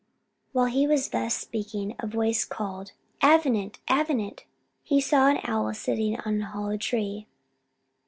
While he was thus speaking, a voice called, "Avenant, Avenant!" and he saw an owl sitting on a hollow tree.